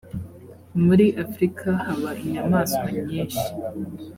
muri afrika haba inyamaswa nyishi.